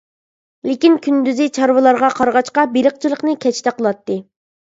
لېكىن كۈندۈزى چارۋىلارغا قارىغاچقا، بېلىقچىلىقنى كەچتە قىلاتتى.